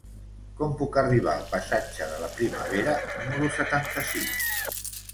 Com puc arribar al passatge de la Primavera número setanta-sis?